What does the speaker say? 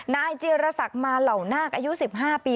นายเจรษกมล่าวนากอยู่๑๕ปี